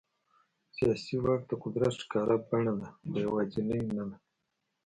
سیاسي واک د قدرت ښکاره بڼه ده، خو یوازینی نه دی.